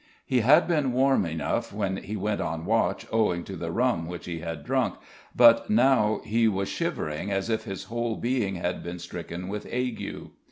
He had been warm enough when he went on watch owing to the rum which he had drunk, but now he was shivering as if his whole being had been stricken with ague.